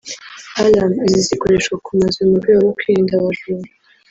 Alarm izi zikoreshwa ku mazu mu rwego rwo kwirinda abajura